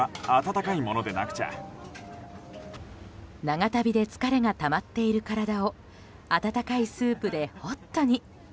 長旅で疲れがたまっている体を温かいスープで、ホットに！